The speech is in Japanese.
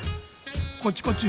こっちこっち。